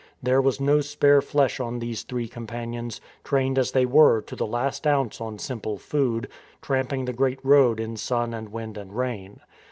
There was no spare flesh on these three companions, trained as they were to the last ounce on simple food, tramp ing the great road in sun and wind and rain.